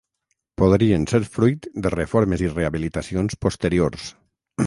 Podrien ser fruit de reformes i rehabilitacions posteriors.